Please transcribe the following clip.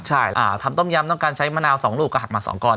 ใช่ทำต้มยำต้องการใช้มะนาว๒ลูกก็หักมา๒ก้อน